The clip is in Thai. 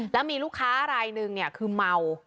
แล้วมีลูกค้ารายหนึ่งคือเมา